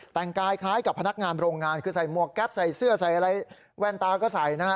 แต่งกายคล้ายกับพนักงานโรงงานคือใส่หมวกแก๊ปใส่เสื้อใส่อะไรแว่นตาก็ใส่นะฮะ